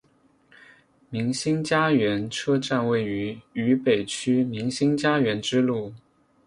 民心佳园车站位于渝北区民心佳园支路。